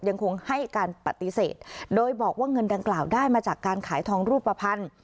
ยังคงให้การปฏิเสธโดยบอกว่าเงินดังกล่าวได้มาจากการขายทองรูปภัณฑ์